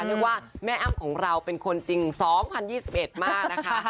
เรียกว่าแม่อ้ำของเราเป็นคนจริง๒๐๒๑มากนะคะ